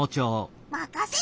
まかせろ！